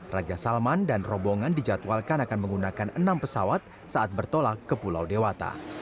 raja salman dan rombongan dijadwalkan akan menggunakan enam pesawat saat bertolak ke pulau dewata